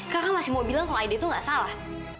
kakak masih mau bilang kalau aida itu nggak salah